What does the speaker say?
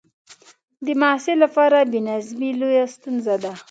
د محصل لپاره بې نظمي لویه ستونزه ده.